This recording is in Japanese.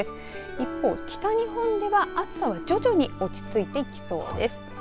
一方、北日本では暑さは徐々に落ち着いてきそうです。